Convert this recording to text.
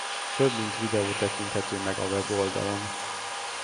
Több mint videó tekinthető meg a weboldalon.